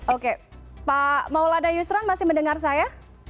oke pak maulada yusran masih mendengar saya